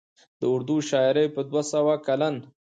د اردو شاعرۍ په دوه سوه کلن